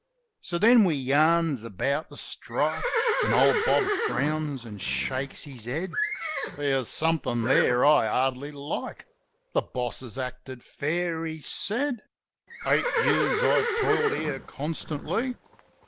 So then we yarns about the strike. An' old Bob frowns an' shakes his head. "There's something there I hardly like ; The boss has acted fair," he said. "Eight years I've toiled here constantly.